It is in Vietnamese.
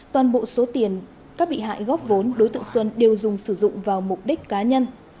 toàn bộ số tiền các bị hại góp vốn đối tượng xuân đều dùng sử dụng vào mục đích cá nhân